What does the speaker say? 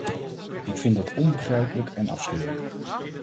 Ik vind dat onbegrijpelijk en afschuwelijk.